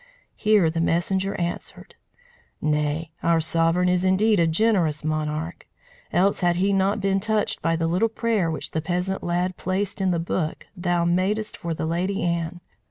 Here the messenger answered: "Nay, our sovereign is indeed a generous monarch! Else had he not been touched by the little prayer which the peasant lad placed in the book thou madest for the Lady Anne.